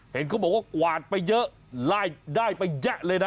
เห็นเขาบอกว่ากวาดไปเยอะไล่ไปแยะเลยนะ